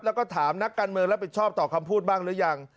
แล้วก็ถามนักการเมืองรับผิดชอบต่อคำพูดบ้างหรือยัง